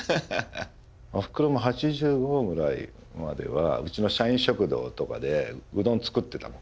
おふくろも８５ぐらいまではうちの社員食堂とかでうどん作ってたもん。